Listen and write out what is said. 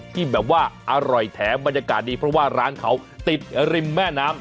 ที่แบบว่าอร่อยแถมบรรยากาศดีเพราะว่าร้านเขาติดริมแม่น้ำ